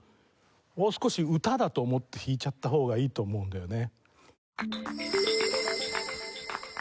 もう少し歌だと思って弾いちゃった方がいいと思うんだよね。